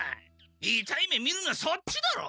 いたい目みるのはそっちだろ！